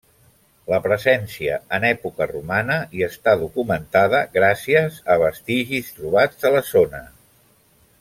La presència en època romana hi està documentada gràcies a vestigis trobats a la zona.